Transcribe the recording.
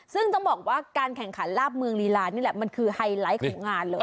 ซึ่งต้องบอกว่าการแข่งขันลาบเมืองลีลานี่แหละมันคือไฮไลท์ของงานเลย